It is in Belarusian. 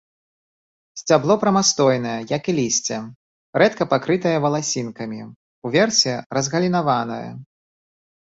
Сцябло прамастойнае, як і лісце, рэдка пакрытае валасінкамі, уверсе разгалінаванае.